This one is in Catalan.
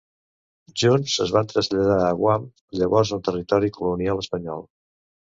Junts, es van traslladar a Guam, llavors un territori colonial espanyol.